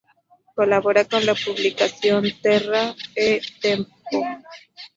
Colabora con la publicación "Terra e Tempo".